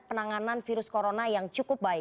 penanganan virus corona yang cukup baik